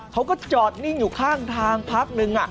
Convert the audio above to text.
เขาก็จอดนิ่งอยู่ข้างทางพักนึง